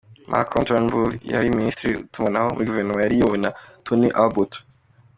Malcolm Turnbull yari Minisitiri w’Itumanaho muri Guverinoma yari iyobowe na Tonny Abbott.